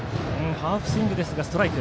ハーフスイングはストライク。